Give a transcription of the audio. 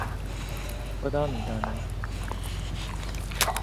خدا میداند